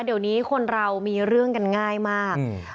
เดี๋ยวนี้คนเรามีเรื่องกันง่ายมาก